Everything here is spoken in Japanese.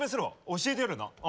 教えてやるよなあ。